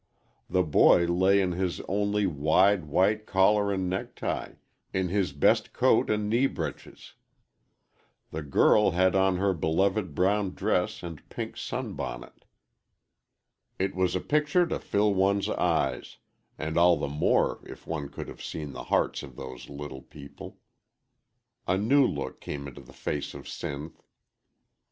The boy lay in his only wide, white collar and necktie, in his best coat and knee breeches. The girl had on her beloved brown dress and pink sun bonnet. It was a picture to fill one's eyes, and all the more if one could have seen the hearts of those little people. A new look came into the face of Sinth.